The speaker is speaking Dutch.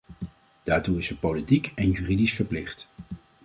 Daartoe is ze politiek en juridisch verplicht.